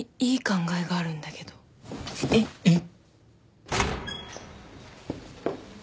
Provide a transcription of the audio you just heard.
えっ？えっ？